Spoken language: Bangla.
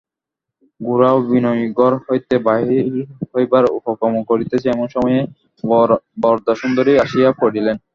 গোরা ও বিনয় ঘর হইতে বাহির হইবার উপক্রম করিতেছে এমন সময় বরদাসুন্দরী আসিয়া পড়িলেন।